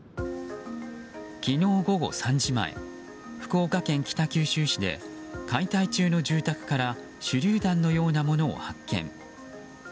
昨日午後３時前福岡県北九州市で解体中の住宅から手りゅう弾のようなものを発見。